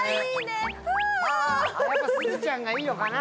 やっぱすずちゃんがいいのかな。